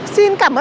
xin cảm ơn ông